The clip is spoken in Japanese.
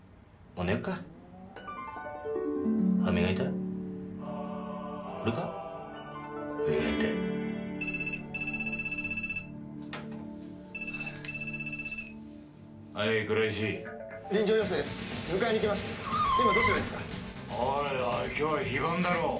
おいおい今日は非番だろ。